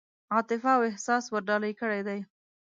عاطفه او احساس ورډالۍ کړي دي.